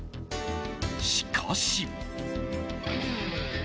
しかし。